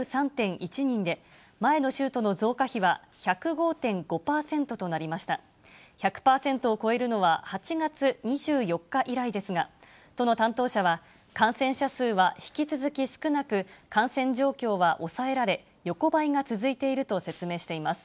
１００％を超えるのは、８月２４日以来ですが、都の担当者は、感染者数は引き続き少なく、感染状況は抑えられ、横ばいが続いていると説明しています。